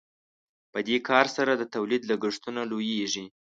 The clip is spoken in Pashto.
په دې کار سره د تولید لګښتونه لوړیږي.